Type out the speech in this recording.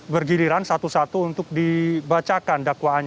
bergiliran satu satu untuk dibacakan dakwaannya